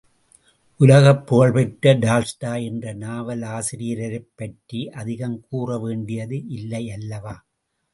உலகப் புகழ் பெற்ற டால்ஸ்டாய் என்ற நாவலாசிரியரைப் பற்றி அதிகம் கூற வேண்டியது இல்லை அல்லவா?